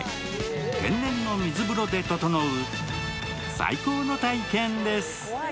天然の水風呂でととのう最高の体験です。